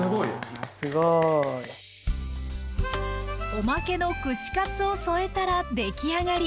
おまけの串カツを添えたらできあがり！